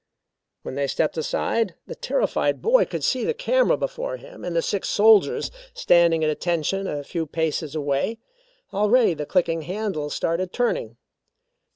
When they stepped aside, the terrified boy could see the camera before him and the six soldiers standing at attention a few paces away. Already the clicking handles started turning.